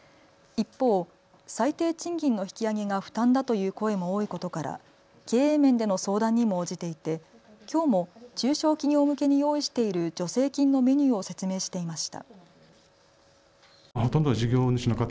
一方、最低賃金の引き上げが負担だという声も多いことから経営面での相談にも応じていてきょうも中小企業向けに用意している助成金のメニューを説明していました。